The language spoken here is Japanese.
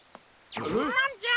なんじゃ？